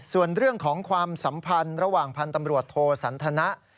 ส่วนเรื่องของความสัมพันธ์ระหว่างพันธ์ตำรวจโทสันทนะ